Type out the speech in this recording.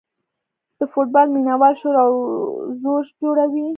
د فوټبال مینه وال شور او ځوږ جوړوي.